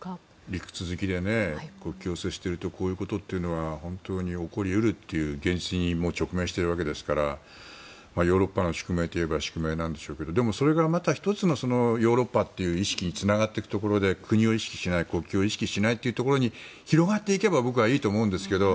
陸続きで国境を接しているとこういうことは本当に起こり得るという現実に直面しているわけですからヨーロッパの宿命といえば宿命なんでしょうけどでも、それがまた１つのヨーロッパという意識につながっていくところで国を意識しない、国境を意識しないというところに広がっていけば僕はいいと思うんですけど。